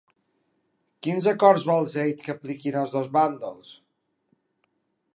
Quins acords vol Zeid que apliquin els dos bàndols?